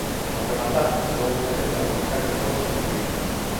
Ao rematar instalou un taller para fabricar calzado no Porriño.